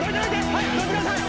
はいどいてください！